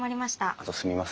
あとすみません